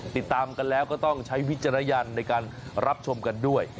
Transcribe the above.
ติดตามกันแล้วก็ต้องใช้วิจารณญาณในการรับชมกันด้วย